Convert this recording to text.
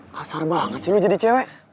kasar banget sih lo jadi cewek